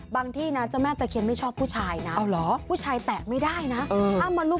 ที่นะเจ้าแม่ตะเคียนไม่ชอบผู้ชายนะผู้ชายแตะไม่ได้นะ